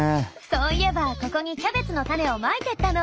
そういえばここにキャベツの種をまいてったの！